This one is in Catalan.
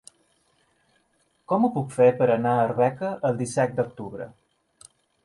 Com ho puc fer per anar a Arbeca el disset d'octubre?